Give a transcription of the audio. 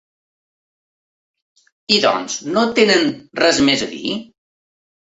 I, doncs, no tenen res més a dir?